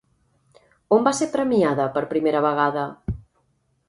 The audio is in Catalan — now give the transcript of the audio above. On va ser premiada per primera vegada?